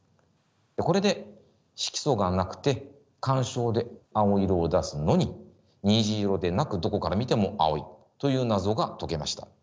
これで色素がなくて干渉で青色を出すのに虹色でなくどこから見ても青いという謎が解けました。